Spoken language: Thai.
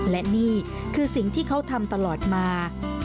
และนี่คือสิ่งที่เขาทำตลอดมา